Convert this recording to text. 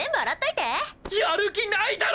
やる気ないだろ！？